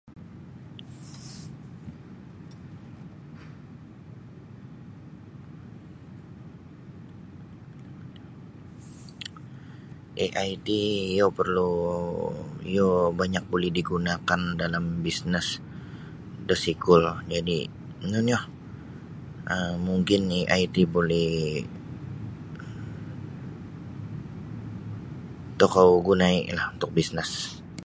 AI ti iyo perlu iyo banyak boleh digunakan dalam bisnes da sikul jadi ino nio um mungkin AI ti boleh tokou gunai lah untuk bisnes.